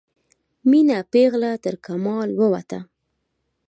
میینه پیغله ترکمال ووته